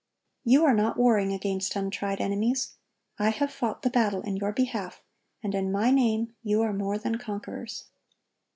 You are not warring against untried enemies. I have fought the battle in your behalf, and in My name you are more than conquerors."